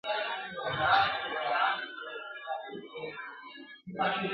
که په برخه یې د ښکار غوښي نعمت وو !.